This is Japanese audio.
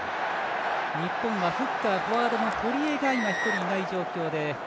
日本はフッカーフォワードの堀江が、１人いない状態で。